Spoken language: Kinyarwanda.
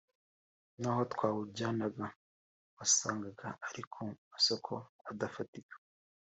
n’aho twawujyanaga wasangaga ari ku masoko adafatika